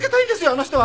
あの人は！